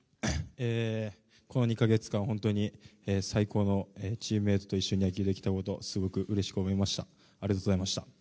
この２か月間本当に最高のチームメートと野球ができたことすごくうれしく思いました。